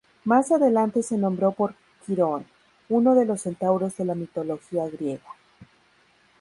Más adelante se nombró por Quirón, uno de los centauros de la mitología griega.